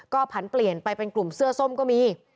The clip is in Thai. ก็ผันเปลี่ยนไปเป็นกลุ่มเสื้อส้มก็มี